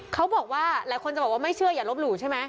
เขาบอกว่าหลายคนจะบอกว่าไม่เชื่ออย่าลบหลู่ใช่ไหม